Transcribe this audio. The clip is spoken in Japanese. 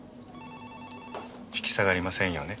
引き下がりませんよね？